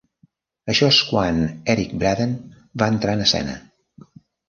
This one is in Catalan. Això és quan Eric Braeden va entrar en escena.